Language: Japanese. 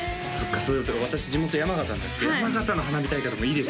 そっか私地元山形なんですけど山形の花火大会もいいですよ